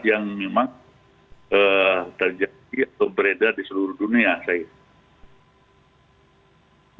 yang memang terjadi atau beredar di seluruh dunia saya